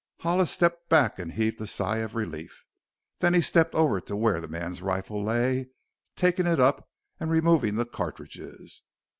Hollis stepped back and heaved a sigh of relief. Then he stepped over to where the man's rifle lay, taking it up and removing the cartridges.